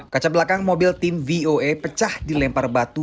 kaca belakang mobil tim voa pecah dilempar batu